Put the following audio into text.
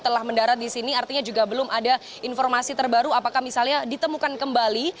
telah mendarat di sini artinya juga belum ada informasi terbaru apakah misalnya ditemukan kembali